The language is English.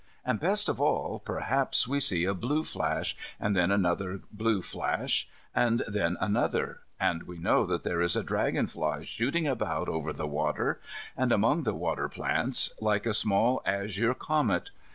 And, best of all, perhaps we see a blue flash, and then another blue flash, and then another, and we know that there is a dragon fly shooting about over the water, and among the water plants, like a small azure comet.